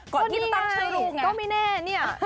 ก็นี่แหละก็ไม่แน่เนี่ย